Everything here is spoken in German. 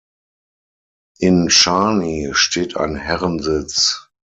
In Charny steht ein Herrensitz.